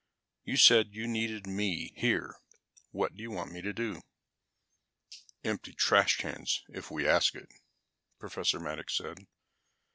"You said you needed me here. What do you want me to do?" "Empty trash cans if we ask it," Professor Maddox said.